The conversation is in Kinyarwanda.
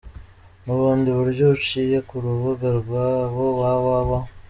N’ubundi buryo uciye ku rubuga rwabo www.